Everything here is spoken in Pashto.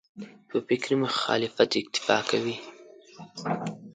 په فکري مخالفت اکتفا کوي.